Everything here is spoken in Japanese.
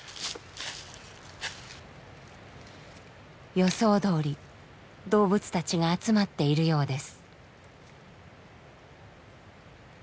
予想どおり動物たちが集まっているようです。